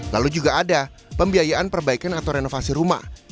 lalu juga ada pembiayaan perbaikan atau renovasi rumah